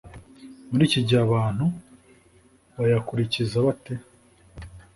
muri iki gihe abantu bayakurikiza bate?